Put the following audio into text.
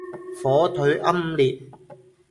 火腿奄列